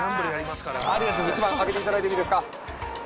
１番開けていただいていいですか？